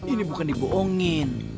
ini bukan diboongin